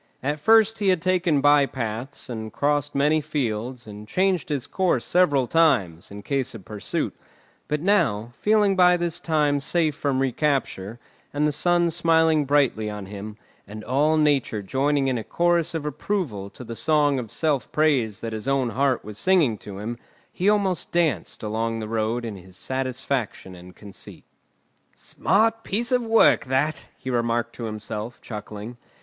At first he had taken by paths, and crossed many fields, and changed his course several times, in case of pursuit; but now, feeling by this time safe from recapture, and the sun smiling brightly on him, and all Nature joining in a chorus of approval to the song of self praise that his own heart was singing to him, he almost danced along the road in his satisfaction and conceit. "Smart piece of work that!" he remarked to himself chuckling.